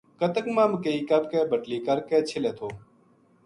کتک ما مکئی کپ کے بٹلی کر کے چھلے تھو